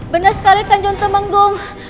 benar sekali kanjeng temenggung